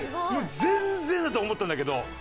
全然だと思ったんだけど。